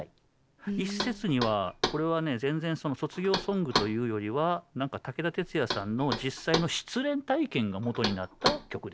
一説にはこれはね全然卒業ソングというよりは何か武田鉄矢さんの実際の失恋体験がもとになった曲であると。